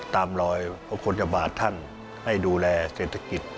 ตามรอยพระคุณจบาทท่านให้ดูแลเศรษฐกิจ